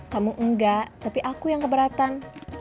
kamu enggak tapi aku yang keberatan